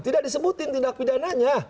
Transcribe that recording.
tidak disebutin tindak pidananya